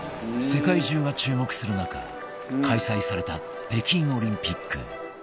世界中が注目する中開催された北京オリンピック